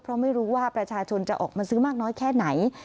เพราะไม่รู้ว่าประชาชนจะออกมาซื้อมากน้อยแค่ไหน